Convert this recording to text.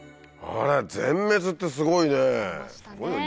あら全滅ってすごいね。